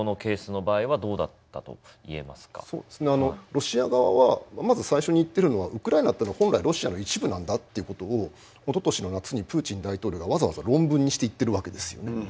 あのロシア側はまず最初に言ってるのはウクライナっていうのは本来ロシアの一部なんだっていうことをおととしの夏にプーチン大統領がわざわざ論文にして言ってるわけですよね。